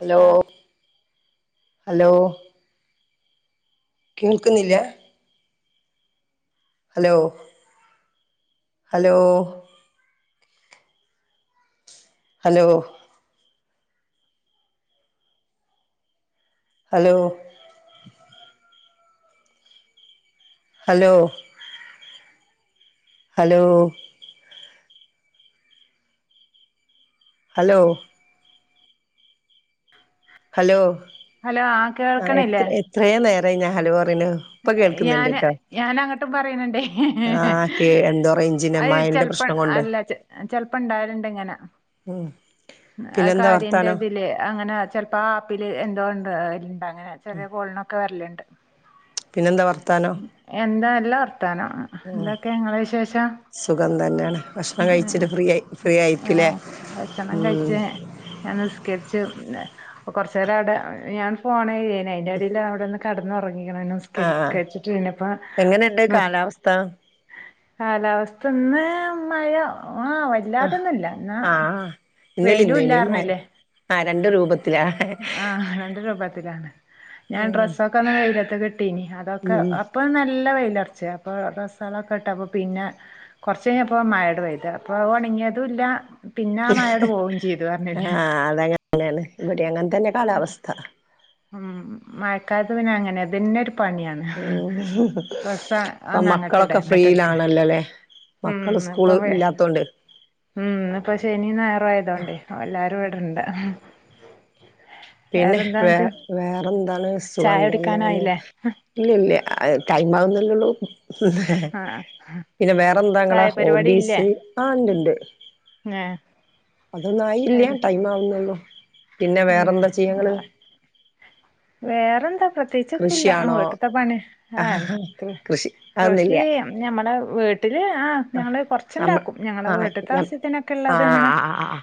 Hello ആ hello കേൾക്കുന്നില്ല? Hello hello hello hello hello hello hello hello hello ആ ആഹ് കേൾക്കണില്ലേ എത്ര എത്രെ നേരായി ഞാൻ ഹലോ പറയണ് ഇപ്പൊ കേൾക്കുന്നുണ്ട് ഞാന് ട്ടോ ഞാനങ്ങട്ടും പറയണുണ്ടേ ആ കേ എന്തോ റേഞ്ചിന്റെ അത് മഴന്റെ ചെൽ. പ്രശ്നം കൊണ്ട് അല്ല ചേ ചെലപ്പം ഇണ്ടാവലുണ്ട് ഇങ്ങനെ. ആഹ് ആഹ് കാര്യന്റെ ഇതില് അങ്ങനെ ച ആഹ് ആപ്പില് എന്തോണ്ട്ണ്ട് അങ്ങനെ ചെല കോളിനൊക്കെ വരലുണ്ട്. പിന്നെന്താ വർത്താനം? എന്താ നല്ല വർത്താനം ഉം എന്തൊക്കെ നിങ്ങള വിശേഷം? സുഖം തന്നെയാണ് ഭക്ഷണം കഴിച്ചിട്ട് ഫ്രീ ഫ്രീ ഏ ആയിരിക്കൂലേ ഭക്ഷണം ഉം കഴിച്ച് ഞാൻ നിസ്കരിച്ച് ഹ് കുറചേരം അവിടെ ഞാൻ ഫോനെയ്യെയ്നി അതിൻ്റെ എടീൽ അവിടെന്ന് കിടന്നുറങ്ങിക്കണ് ആ നിസ്കരിച്ചിട്ട് പിന്നപ്പ എങ്ങനെയുണ്ട് കാലാവസ്ഥ കാലാവസ്ഥ ഇന്ന് മഴ ആഹ് വാ ആ അലതൊന്നുല്ല എന്നാ ആഹ് ഇന്നലെ വെയിലും ഇന്നേനിം മഴ ഇല്ലാർഞ്ഞില്ലേ. ആഹ് രണ്ട് രൂപത്തിലാ ആഹ് രണ്ട് രൂപത്തിലാണ്. ഞാൻ ഡ്രസ്സൊക്കെന്ന് വെയിലത്ത് കിട്ടീനി അതൊക്കെ ഉം പ്പോ നല്ല വെയിലറച്ചി അപ്പോ ഡ്രസ്സൊളൊക്കെ ഇട്ടപ്പോ പിന്നെ കൊറച്ചഴിഞ്ഞപ്പ മായട് പെയത് അപ്പൊ ഉണങ്ങിയതും ഇല്ല പിന്നെ ആഹ് മായട് പോവും ചെയ്തു പറഞ്ഞില്ലേ. അങ്ങനാണ് ഇവിടെ അങ്ങനെ തന്നെ കാലാവസ്ഥ. ഉം മഴക്കാലത്ത് പിന്നെ അങ്ങനെ അതിന്നെ ഒരു പണിയാണ്. ഉം ഡ്രസ്സ് ഇപ്പ ഒന്ന് അങ്ങട്ട് ഇടാ മക്കളൊക്കെ ഇങ്ങട്ട് ഇട്ക്കാ ഫ്രീയിലാണല്ലോല്ലേ? മക്കള് ഉം ഇപ്പൊ സ്കൂള് ഇല്ലാത്തൊണ്ട്. ഉം ഇന്ന്പ്പൊ ശനി ഞയറും ആയതോണ്ടേ എല്ലാരും ഇവിടെണ്ട്. പിന്നെ വേ വേറെന്താണ് സുഖം ചായ തന്നെയാണ്. കുടിക്കാനായില്ലേ ഇല്ല ഇല്ല ആഹ് ടൈംമാവുന്നല്ലേള്ളൂ. ആഹ് പിന്നെ ചായ വേറെന്താങ്കളെ പരിപാടി ഇല്ലേ ഹോബീസ് ആഹ് ഇണ്ട് ഇണ്ട്. അതൊന്നും ആയില്ല ഏഹ് ടൈം ആവുന്നുള്ളൂ പിന്നെ വേറെന്താ? ചെയ്യ ഇങ്ങള് ആഹ് വേറെന്താ പ്ര ച്ചത്തില്ല കൃഷിയാണോ വീട്ടത്തെ പണി ആഹ് കൃഷി കൃഷി അതൊന്നുല്ല ചെയ്യാം ഞമ്മുടെ വീട്ടില് ആഹ് ആ ഞങ്ങള് നമ്മ കൊറച്ചുണ്ടാക്കും ഞങ്ങളെ ആഹ് വീട്ടത്തെ ആശ്യത്തിനൊക്കെ ആഹ് ഉള്ളത് ഇങ്ങനെ. ആഹ് ആഹ്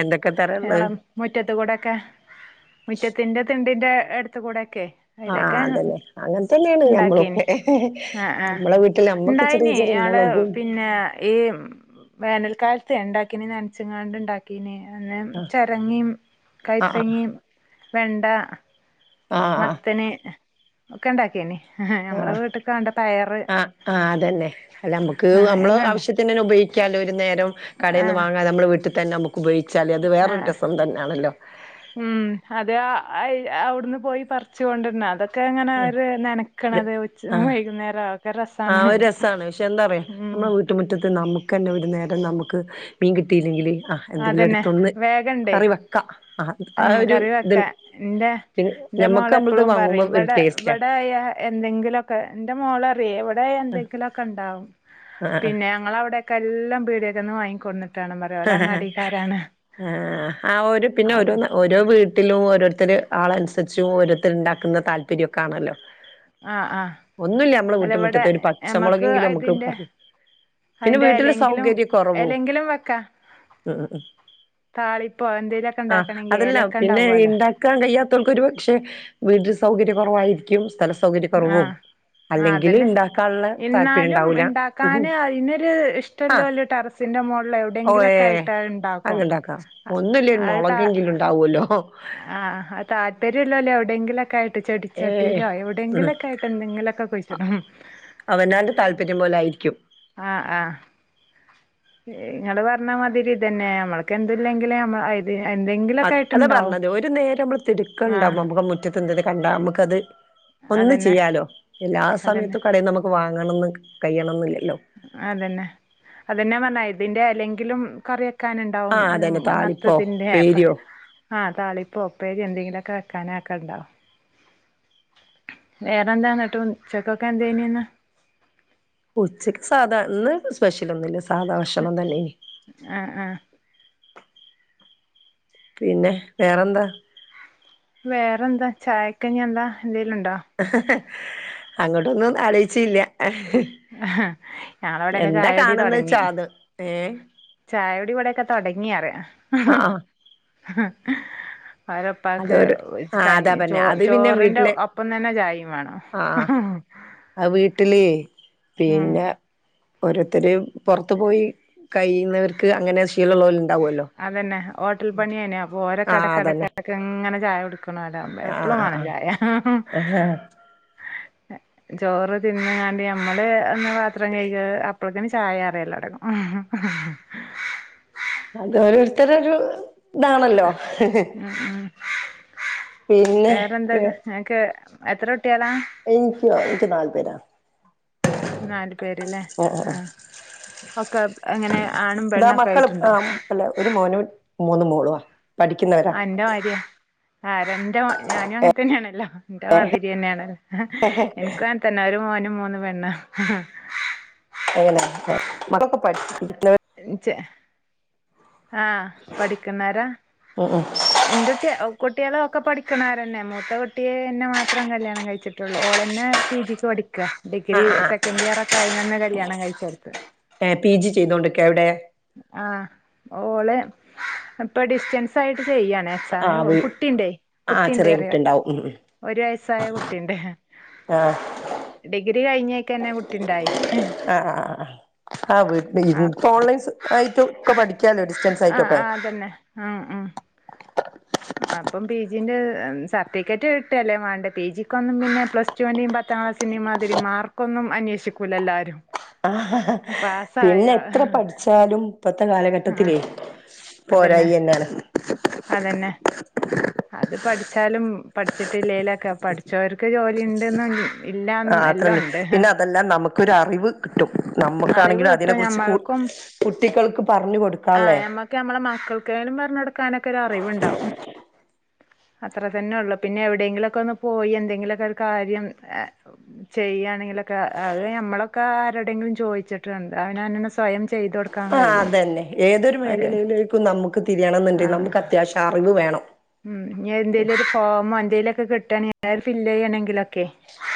എന്തൊക്കെ തരാള്ളുത് ഞങ്ങളെ മുറ്റത്ത് കൂടെക്കെ മുറ്റത്തിന്റെ തിണ്ടിന്റെ അടുത്ത കൂടെ ഒക്കെ. ആഹ് അതിലൊക്കെ അതന്നെ അങ്ങനെ തന്നെയാണ് ണ്ടാക്കീനി ഞമ്മളൊക്കെ ആഹ് ആഹ് നമ്മളെ വീട്ടിൽ നമ്മക്ക് ചെറിയ ഉണ്ടായിനി ചെറിയ ഞാള് മുളകും പിന്നെ ഈ വേനൽക്കാലത്ത് ഉണ്ടാക്കിന നനച്ചങ്ങാണ്ട് ഉണ്ടാക്കി പിന്നെ അന്ന ചിരങ്ങിം ആഹ് കൈപ്പങ്ങിം വെണ്ട ആഹ് മത്തൻ ഒക്കെണ്ടാകീനി ആഹ് ആഹ് ആഹ് അതന്നെ അല്ല മ്മക്ക് ആഹ് നമ്മള് എല്ലാം ഉണ്ട് ആവശ്യത്തി ത്തിനെല്ലാം ഉപയിക്കാലൊരു നേരം കടയിന്ന് ആഹ് വാങ്ങാതെ നമ്മള് വീട്ടിതന്നെ ബു ഉപയോഗിച്ചാല് അത് വേറൊരു രസം തന്നെണല്ലോ ഹും അത് അയി അവിടുന്ന് പോയി പറിച്ച് കൊണ്ടര്ണാ അതൊ ഒക്കെ അങ്ങനെ അവര് നനക്കണത് ഉച്ച ആഹ് വൈകുന്നേരം ഒക്കെ രസാണ് എന്താറയൊ ഉം നമ്മുടെ വീട്ടുമുറ്റത്ത് നമുക്കെന്നെ ഒരു നേരം നമുക്ക് മീൻ കിട്ടിയില്ലെങ്കിൽ ആഹ് എന്തെങ്കിലും അതന്നെ എടുത്തൊന്ന് വേഗണ്ടേ കറി വെക്കാ ആഹ് ഉം ആഹ് ഒരു കറി വെക്കാ ഇത്ണ്ട് ഇന്റെ പിന്നെ നമ്മുക്ക് നമ്മളത് വാങ്ങുമ്പോ ഒരു ടേസ്റ്റ് ഇവടായ എന്തെങ്കിലൊക്കെ എന്റെ മോളറിയേ ഇവിടെയായ എന്തെങ്കിലൊക്കെണ്ടാവും ആ പിന്നെ ഞങ്ങളവടെ ക്കെല്ലാം പീടിയേക്കന്ന് വാങ്ങി കൊട്ന്നിട്ടാണ് പറയും ഓലങ്ങ ആഹ് ആഹ് ഒരു പിന്നെ അപ്പൊ ഓരോന്ന് ഓരോ വീട്ടിലും ഓരോരുത്തർ ആളനുസരിച്ചും ഓരോരുത്തരുണ്ടാക്കുന്ന താല്പര്യോക്കെ ആണല്ലോ ആഹ് ആഹ് ഒന്നുല്ല മ്മള് അല്ല വീട്ട് ഇവിടെ മുറ്റത്തൊരു ഞമ്മക്ക് പച്ചമുളകെങ്കിലും നമുക്ക് അതിന്റെ പറി പിന്നെ അതിന്റെ വീട്ടില് എലെങ്കിലും സൗകര്യ കൊറവും എലെങ്കിലും വെക്കാ ഉം താളിപ്പോ എന്തേലൊക്കെ ആഹ് ഇണ്ടാക്കണെങ്കി അതല്ല ഏലക്ക പിന്നെ ഇണ്ടാവോലോ ഇണ്ടാ ണ്ടാൻ കയ്യാത്തോൽക്കൊരു പക്ഷെ വീട്ടിൽ സൗകര്യ കൊറവായിരിക്കും സ്ഥല സൗകര്യ കൊറവും ആഹ് ആഹ് അതന്നെ എന്നാലും ഉണ്ടാവൂല ഉം ഇണ്ടാക്കാന് അയിനൊര് ആ ഇഷ്ടല്ലോല് ടെറസ് സിന്റെ മോളില് ഓ ഏ എവിടെയെങ്കിലൊക്കായിട്ട് അഹ് ണ്ടാക്കും അഹ് അത് താ ആവോലോ അഹ് ആഹ് അത് താല്പര്യല്ലോല് എവിടെയങ്കിലുക്കെയിട്ട് ഏഹ് ചെടിച്ചട്ടിയിലോ ഉം എവിടെയെങ്കിലൊക്കെ ആയിട്ട് എന്തെങ്കിലൊക്കെ കുഴിച്ചിടും അവനാന്റെ താല്പര്യം പോലായിരിക്കും ആഹ് ആഹ് ഏഹ് ങ്ങള് പറഞ്ഞ മാതിരി ഇതന്നെ നമ്മൾക്ക് എന്തില്ലെങ്കിലും നമ്മ എന്തെങ്കിലും അതെന്നെ പറഞ്ഞത് ഒരു നേരം മ്മള് ആഹ് തിടുക്കണ്ടാവുമ്പോ നമുക്ക് റ്റത്ത് എന്തെങ്കിലും കണ്ട നമുക്കത് ഒന്ന് അതന്നെ ചെയ്യാലോ എല്ലാ അതന്നെ സമയത്തും കടയും നമുക് വാങ്ങണംന്ന് കഴിയണന്നില്ലല്ലോ അതന്നെ അതെന്നെ പറഞ്ഞ് ഇതിന്റെ എലേങ്കിലും കറിവെ ക്കാനണ്ടാവും ആഹ് അതന്നെ താളിപ്പോ മത്തത്തിന്റെ പ്പ ഉപ്പേരിയോ ആഹ് താളിപ്പോ ഉപ്പേരിയൊ എന്തെങ്കിലൊക്കെ വെക്കാനൊക്കെണ്ടാവും വേറെന്താന്നിട്ട് ഉച്ചക്കൊക്കെ എന്തയ്ന്നിന്ന് ഉച്ചക്ക് സാധാ ഇന്ന് സ്പെഷ്യലൊന്നുല്ല സാധാ ഭക്ഷണം തന്നെയ്നി ആഹ് ആഹ് പിന്നെ വേറെന്താ വേറെന്താ ചായക്കഞ്ഞെന്താ എന്തേലുണ്ടോ അങ്ങോട്ടൊന്നും ആലോയിച്ചില്ല ഞളവടൊക്കെ എന്താ ചായകുടി കാണുന്നെ തൊടങ്ങി വെച്ചാ അത് ഏഹ് ചായകുടിവടൊക്കെ തൊടങ്ങിറയാ ആഹ് ആഹ് അഹ് അവരെപ്പാക്ക് അതൊരു ആഹ് അതാ കഞ്ഞി ചോ പറഞ്ഞെ അത് പിന്നെ ചോറിന്റെ വീട്ടില് ഒപ്പം തന്നെ ചായയും വേണം ആഹ് ഹ ഹ ഹാ അത് വീട്ടിലേയ് പിന്നെ ഓരോരുത്തര് പൊറത്ത് പോയി കയ്യുന്നവർക്ക് അങ്ങനെ ശീലൊള്ളോല്ണ്ടാ അതന്നെ ഹോട്ടൽ പണിയേയ്ന്ന് അപ്പൊ ഓരൊക്കെ ആഹ് അതന്നെ എടക്കടക്ക്ടക്ക് ങ്ങനെ ചായ കൊടുക്കണോ രാവും ആഹ് എപ്പളും ആഹ് വേണം ആഹ് ചായ ആഹാ ചോറ് തിന്ന് ങ്ങാണ്ടി നമ്മള് ഒന്ന് പാത്രം കഴികിയാ അപ് അപ്പോത്തിന് ചായറലൊടങ്ങും. അത് ഓരോരുത്തരൊരു ഇതാണല്ലോ. ഉം. പിന്നെ വേ വേറെന്താല്ലാം, ഇങ്ങക്ക് എത്ര കുട്ടികളാ? എനിക്കോ എനിക്ക് നാലു പേരാ. നാലു പേര്ല്ലേ, ആഹ് ആഹ് ആ ആഹ് ഒക്കെ എങ്ങനെ ആണും ഇതാ പെണ്ണൊക്കെ മക്കള് ആയിട്ടുണ്ടോ? ആഹ് അല്ല, ഒരു മോനും മൂന്ന് മോളവാ. ആ എന്റെ മാര്യ. എന്റെ ഞാനും അങ്ങനെ തന്നെയാണല്ലോ. എന്റെ മാതിരി തന്നെയാണല്ല ഇൻക്ക് അന തന്നെ ഒരു മോനും മൂന്ന് പെണ്ണാ [unintelligible] [unintelligible] ഇങ് ചെ ആഹ പഠിക്കുന്നാരാ. മം മം എന്റെ കുട്ടി, കുട്ടികള ഒക്കെ പഠിക്കണാരന്നെ. മൂത്ത കുട്ടിയെ എന്നെ മാത്രം കല്യാണം കഴിച്ചിട്ടുള്ളൂ. ഓളെന്നെ പി ജിക്ക് പഠിക്ക. ഡിഗ്രി ആഹ് ആഹ് ആഹ് സെക്കൻഡ് ഇയർ ഒക്കെ അയിന്ന് കല്യാണം കഴിചോടുത്. ഏഹ് പി ജി ചെയ്തോണ്ടിക്കെ എവിടെ? ആഹ ഓള്, ഇപ്പൊ ഡിസ്റ്റൻസ് ആയിട്ട് ചെയ്യാണ്. എക്സാമിന് ആഹ് വീ പോകും. കുട്ടിണ്ടേ ആഹ് കുട്ടിണ്ടോ ചെറിയ പറയാ. കുട്ടിണ്ടാവും ഉം ഉം ഒരു വയസ്സായ കുട്ടിണ്ട്‌. ആഹ ഡിഗ്രി കഴിഞ്ഞേക്കന്നെ കുട്ടി ഉണ്ടായി. ആഹ് ആഹ് ആഹ് ആ ഇപ്പ ഓൺലൈൻ ആയിട്ടും, ഒക്കെ പഠിക്കാലോ ഡിസ്റ്റൻസ് ആഹ് ആയിട്ടൊക്കെ. ആഹ് അതന്നെ ഉം ഉം. അപ്പം പി ജിന്റെ സർട്ടിഫിക്കറ്റ് കിട്ടല്ലേ വാണ്ടെ. പി ജിക്ക് ഒന്നും പിന്നെ പ്ലസ് ടുന്റെയും പത്താം ക്ലാസിന്റെയും, മാതിരി മാർക്കൊന്നും അന്വേഷിക്കൂല്ലല്ല ആരും. പിന്നെ എത്ര പഠിച്ചാലും ഇപ്പത്തെ ആഹ് കാലഘട്ടത്തിലേ, അതന്നെ പോരായെന്നാണ്. അതന്നെ. അത് പഠിച്ചാലും പഠിച്ചിട്ടില്ലേ ലൊക്കെ, പഠിച്ചവർക്ക് ജോലി ഉണ്ട് ന്ന് [unintelligible] ആ ആന്നും അത്രണ്ട് എല്ലാണ്ട്. പിന്നെ അതെല്ലാ നമുക്കൊരു അറിവ് കിട്ടും. അറിവ് നമുക്കാണെങ്കിലും അതിനെ കിട്ടും കുറിച്ച് കൂ കുട്ടികൾക്ക് പറഞ്ഞു കൊടുക്കു ആ ഞമ്മക്ക് ഞമ്മളെ മക്കൾകേലും പറഞ്ഞുകൊടുക്കാൻ ക്ക ഒരറിവുണ്ടാവും അത്ര തന്നെ ഉള്ളൂ. പിന്നെ എവിടെയെങ്കിലൊക്കെ ഒന്ന് പോയി, എന്തെങ്കിലുമൊക്കെ ഒരു കാര്യം, ഏഹ് ചെയ്യാണെങ്കിലൊക്കെ അത് നമ്മളൊക്കെ ആരടെങ്കിലും ചോദിച്ചിട്ട് വേണ്ടേ. അവനോനന്നേ സ്വയം ചെയ്ത കൊടുക്ക ആ അതന്നെ. ഏതൊരു മേഖലയിലേക്കും നമുക്ക് തിരിയണം ആ എന്നുണ്ടെങ്കി, നമുക്ക് അത്യാവശ്യ അറിവ് വേണം. ഉം എന്തേലും ഒരു ഫോമോ എന്തേലൊക്കെ കിട്ടേണ് ഞ ഫില്ല് ചെയ്യണമെങ്കിലൊ,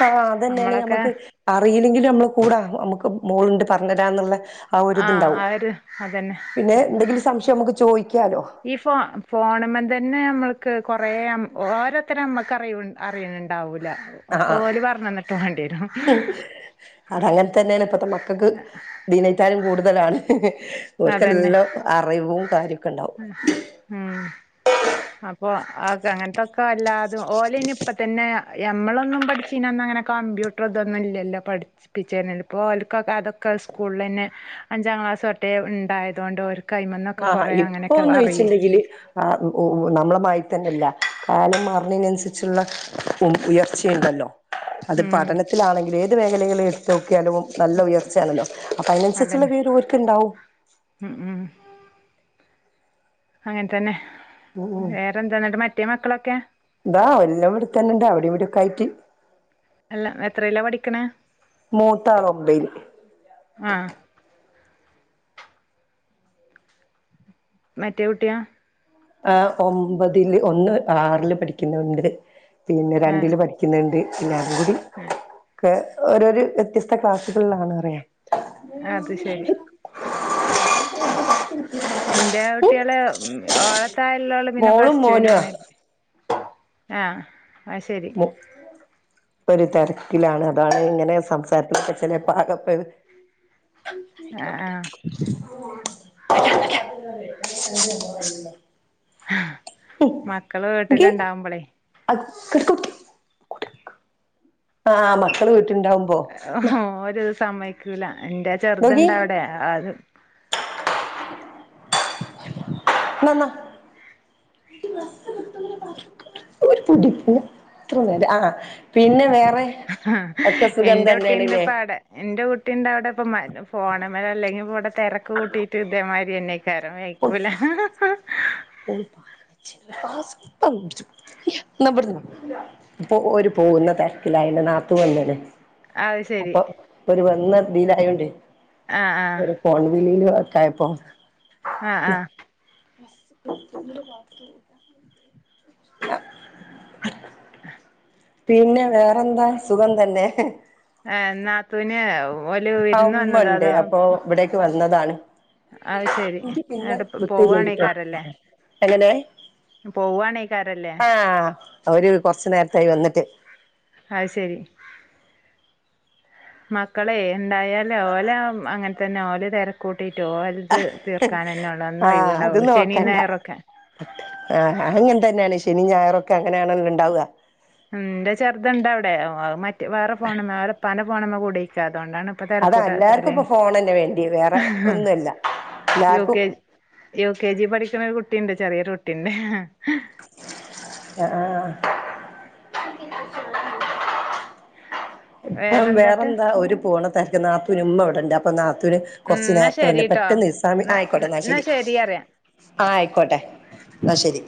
ആഹാ അതന്നെയാണ് ഞമ്മക്ക്, അറിയില്ലെങ്കിലിൽ നമ്മള് കൂടാ നമുക്ക് മോളുണ്ട് പറഞ്ഞു തരാന്നുള്ള, ആ ഒരിതുണ്ടാവും. ആ ഒരു അതന്നെ പിന്നെ എന്തെങ്കിലും സംശയം നമുക്ക് ചോദിക്കാലോ. ഈ ഫോ ഫോണുമ്മേ തന്നെ നമ്മൾക്ക് കുറേ ഓരോരുത്തര നമ്മക്ക് അറിയു അറിയണുണ്ടാവൂല. ആഹ് ഒക്കെ ആഹ് ഓല് പറഞ്ഞന്നിട്ട് വേണ്ടി വരും. അതങ്ങനെ തന്നെണ്. ഇപ്പത്തെ മക്കൾക്ക് ദിനയിത്താനും കൂടുതലാണ്. അവർക്ക് അതന്നെ എല്ലാം അറിവും കാര്യമൊക്കെ ഉണ്ടാവും. ഉം അപ്പൊ അങ്ങനത്തൊക്കെ അല്ലാതാ. ഓലനി ഇപ്പ തന്നെ യമ്മളൊന്നും പഠിചിന അങ്ങനെ കമ്പ്യൂട്ടർ ഇതൊന്നും ഇല്ലല്ലോ. പഠി പിചെനെ. ഇപ്പോൾ ഓൽക്ക് ക്ക അതൊക്കെ അത് സ്കൂൾളെനെ അഞ്ചാക്ലാസോട്ടെ ഇണ്ടായതോണ്ട്, ഒര് ആഹാ ഇപ്പൊന്ന് ച്ചിണ്ടെങ്കില്, ആഹ് ഒ ഓ നമ്മളെ മായിത്തന്നെല്ല, കാലം മാറുന്നതി നനുസരിച്ചുള്ള, തും ഉയർച്ചയുണ്ടല്ലോ, അത് ഉം പഠനത്തിലാണെങ്കിൽ ഏത് മേഖലകളിൽ, നോക്കിയാലും നല്ല ഉയർച്ചയാണല്ലോ. അപ്പൊ അതിനനുസരിച്ചുള്ള അതന്നെ വിവരം ഓൽക്കുണ്ടാവും. ഉം ഉം. അങ്ങനെ തന്നെ വേറെന്താെന്നിട്ട് മറ്റേ മക്കളൊക്കെ ഇതാ വെല്ലിയോൻ ഇവിടെത്തന്നെയുണ്ട് അവിടെയൊക്കെയായിട്ട്. അല്ല എത്രീലാ പഠിക്ക്ണേ മൂത്താള് ഒമ്പൈല് ആഹ് മറ്റേ കുട്ടിയാ ആഹ് ഒമ്പതില് ഒന്ന് ആറില് പഠിക്കുന്നുണ്ട് പിന്നെ ആഹ് രണ്ടില് പഠിക്കുന്നുണ്ട് [unintelligible] ഒക്കെ ഓരോ വ്യത്യസ്ത ക്ലാസ്സുകളിലാണ് അറിയാ ആഹ് അത് ശരി എന്റെ കുട്ടിയേളെ ഓള് തായള്ളോള് പിന്നെ മോളും പ്ലസ് മോനുവാ ടുവിനാണ് ആ ആ ശരി [inaudible] ഒരു തരക്കിലാണ് അതാണ് അങ്ങനെ സംസാരത്തിൽക്കെച്ചില പാകപ്പെ ആഹ് [unintelligible] ആഹ് [inaudible] വരാം വരാം [unintelligible] ആഹ് മക്കള് വീട്ടില് ഇണ്ടാവുമ്പളെ അത്ക്കൊക്കെ ആഹ് മക്കള് വീട്ടില് ഓല് സമ്മയ്ക്കൂല എന്റെ നോക്കി ചെറുത്ണ്ടവിടെ അത് ന്നന്ന ബസ്സ്‌ കിട്ടും പറന്ന ഒരു തുടിപ്പ് ത്ര നേരം ആ പിന്നെ വേറെ ആഹ് ഒക്കെ സുഖം എന്റെ തന്നെയാണ്ല്ലേ കുട്ടീണ്ട്‌പ്പവടെ എന്റെ കുട്ടി ഉണ്ട അവിടെ ഇപ്പ ഫോണമല അല്ലെങ്കി ഇവിടെ തിരക്ക് കൂട്ടിട്ട് ഇതേമാതിരി തന്നെ കരാ വെയ്ക്കൂല [unintelligible] [inaudible] ന്ന ഇബ്ട്ന്ന് ഓരു പോകുന്ന തിരക്കിലാ ന്റെ നാതൂ വന്ന് ലെ അത് ശരി അപ്പൊ ഒരു വന്ന ദിലായോണ്ടേ ആഹ് ആഹ് ഫോൺ വിളിയില് ഒക്കായപ്പോ ആഹ് ആഹ് [inaudible] പിന്നെ വേറെന്താ സുഖം തന്നെ ഹ് ഏഹ് നാത്തൂന് ഓല് ആ വിരുന്ന് ഉമ്മ വന്നതാ ഉണ്ട് അതാ അപ്പൊ ഇവിടേക്ക് വന്നതാണ് അത് ശരി നിക്ക് പിന്നെ എന്നിട്ട് വിട്ട് പോവാണേക്കാരല്ലേ [unintelligible] എങ്ങനെ പോവാണേക്കാരല്ലേ ആഹ് അവര് കൊറച്ച് നേരത്തായി വന്നി- അയ് ശരി മക്കളെ ണ്ടായാല് ഓല അങ്ങനെ തന്നെ ഓല തിരക്കൂട്ടിട്ട് ഓല ഇത് തീർക്കാനെന്നെ ഉള്ളൂ ഒന്നും ആഹ് അത് ഒഴിവുണ്ടാവുള്ളൂ ശനി നോക്കണ്ട ഞായറോക്കെ ആഹ് അങ്ങനെ തന്നെയാണ് ശനി ഞായറൊക്കെ അങ്ങനെയാണല്ലോ ണ്ടാവ ഉം ഇന്റെ ചെറുത്ണ്ടവിടെ മറ്റ വേറെ ഫോണുമ്മേ അവരപ്പാന്റെ ഫോണുമ്മേ കൂടിക്ക അതുകൊണ്ടാണ് ഇപ്പൊ അതാ എല്ലാർക്കും തെരക്കൂട്ടാത്തല്ലേ ഇപ്പൊ ഫോണന്നെ വേണ്ടി വേറെ ഹ് ഹ് ഒന്നുല്ല യു എല്ലാർക്കും K G U K G പഠിക്ക്ണ ഒരു കുട്ടിണ്ട് ചെറിയൊരു കുട്ടിണ്ട് ആഹ് ആഹ് [inaudible] വേറെന്താട്ട് വേറെന്താ ഓരു പോണതിരക്ക് നാത്തൂന് ഉമ്മ ഇവിടെണ്ട് അപ്പൊ നാത്തൂന് ഉം എന്നാ കൊറച്ച്നേരത്തെ വന്ന് ശരിട്ടോ പെട്ടെന്ന് ഇസാമി ആയിക്കോട്ടെ എന്നാ ശരി ആഹ് ആയിക്കോട്ടെ ന്നാ ശരി